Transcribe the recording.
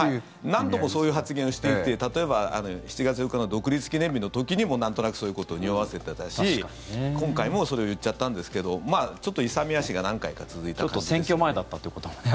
何度もそういう発言をしていて例えば７月４日の独立記念日の時にもなんとなくそういうことをにおわせていたし今回もそれを言っちゃったんですけどまあ、ちょっと勇み足が何回か続いたという感じですね。